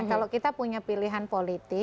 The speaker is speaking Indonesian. kalau kita punya pilihan politik